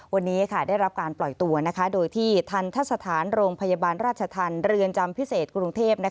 วันนี้ได้รับการปล่อยตัวโดยที่ทันทะสถานโรงพยาบาลราชธรรมเรือนจำพิเศษกรุงเทพ